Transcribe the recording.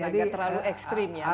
agak terlalu ekstrim ya